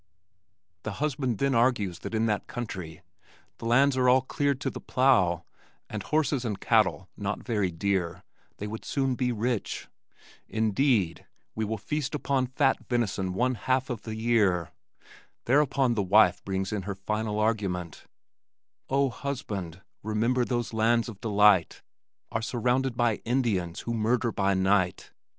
The husband then argues that as in that country the lands are all cleared to the plow, and horses and cattle not very dear, they would soon be rich. Indeed, "we will feast on fat venison one half of the year." Thereupon the wife brings in her final argument: Oh, husband, remember those lands of delight Are surrounded by Indians who murder by night.